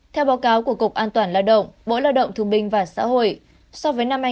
theo báo cáo của cục an toàn lao động bộ lao động thương minh và xã hội so với năm hai nghìn hai mươi hai